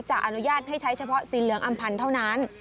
อนุญาตให้ใช้เฉพาะสีเหลืองอำพันธ์เท่านั้น